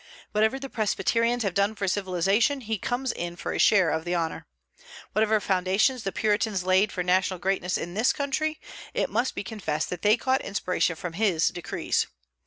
Whatever the Presbyterians have done for civilization, he comes in for a share of the honor. Whatever foundations the Puritans laid for national greatness in this country, it must be confessed that they caught inspiration from his decrees.